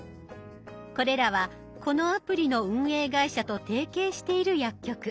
これらはこのアプリの運営会社と提携している薬局。